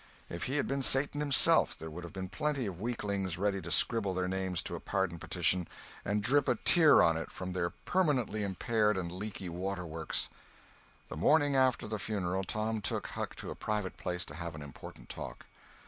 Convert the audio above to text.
If he had been Satan himself there would have been plenty of weaklings ready to scribble their names to a pardon petition, and drip a tear on it from their permanently impaired and leaky water works. The morning after the funeral Tom took Huck to a private place to have an important talk.